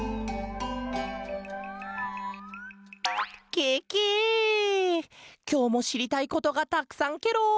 ケケきょうもしりたいことがたくさんケロ。